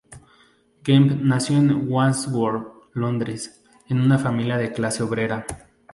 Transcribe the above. Kemp nació en Wandsworth, Londres, en una familia de clase obrera.